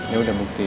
ya udah buktiin